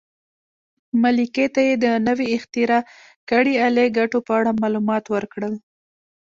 ملکې ته یې د نوې اختراع کړې الې ګټو په اړه معلومات ورکړل.